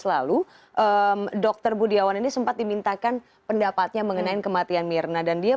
dua ribu enam belas lalu dokter budiawan ini sempat dimintakan pendapatnya mengenai kematian myrna dan dia